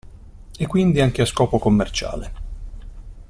E quindi anche a scopo commerciale.